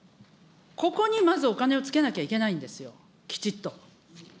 ここにまずお金をつけなきゃいけないんですよ、きちっと。